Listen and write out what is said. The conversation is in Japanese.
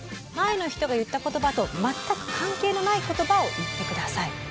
前の人が言った言葉と全く関係のない言葉を言って下さい。